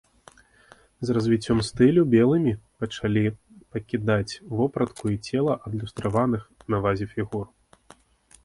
З развіццём стылю белымі пачалі пакідаць вопратку і цела адлюстраваных на вазе фігур.